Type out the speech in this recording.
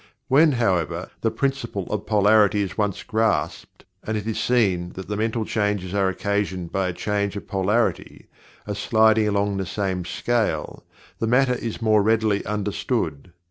When, however, the Principle of Polarity is once grasped, and it is seen that the mental changes are occasioned by a change of polarity a sliding along the same scale the hatter is readily understood.